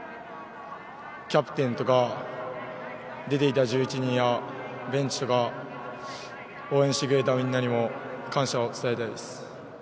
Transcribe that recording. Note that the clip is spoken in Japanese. キャプテンとか、出ていた１１人や、ベンチとか、応援してくれた、みんなにも感謝を伝えたいです。